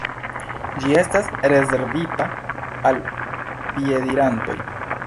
Ĝi estas rezervita al piedirantoj.